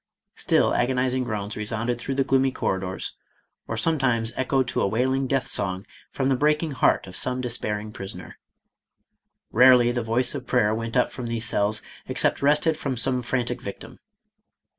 Still agonizing groans resounded through the gloomy corridors, or sometimes echoed to a wailing death song from the breaking heart of some despairing prisoner. Rarely the voice of prayer went up from these cells except wrested from some frantic victim.